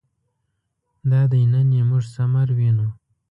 دادی نن یې موږ ثمر وینو.